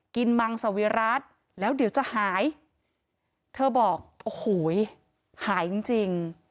มังสวิรัติแล้วเดี๋ยวจะหายเธอบอกโอ้โหหายจริงจริง